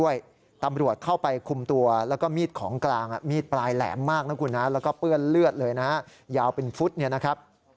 ยาวเป็นฟุตเนี่ยนะครับ